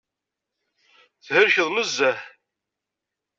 Thelkeḍ nezzeh.